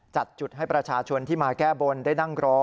จัดจุดให้ประชาชนที่มาแก้บนได้นั่งรอ